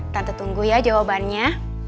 tante tunggu ya jawabannya